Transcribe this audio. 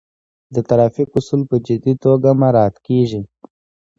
د ترافیک اصول په جدي توګه مراعات کیږي.